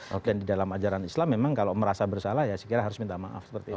oke di dalam ajaran islam memang kalau merasa bersalah ya saya kira harus minta maaf seperti itu